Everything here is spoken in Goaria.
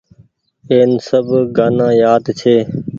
اين سب گآنآ يآد ڇي۔